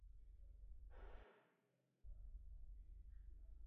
V neděli bývá letiště zcela uzavřené.